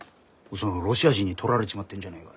そのロシア人に取られちまってんじゃねえかよ。